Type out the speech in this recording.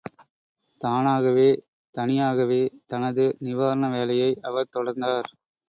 தானாகவே தனியாகவே தனது நிவாரண வேலையை அவர் தொடர்ந்தார்.